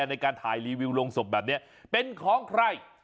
ในการถ่ายรีวิวลงศพแบบนี้เป็นของใคร